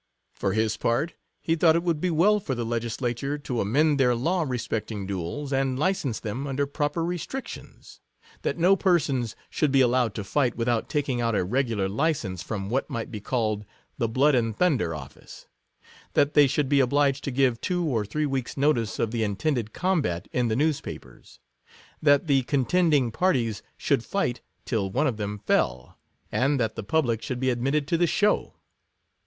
For his part, he thought it would be well for the legislature to amend their law respect ing duels, and license them under proper restrictions ;— That no persons should be al lowed to fight, without taking out a regular license from what might be called the Blood and Thunder Office; — That they should be obliged to give two or three weeks notice of the intended combat in the newspapers ;— That the contending parties should fight, till one of them fell ;— and that the public should be admitted to the shoiv.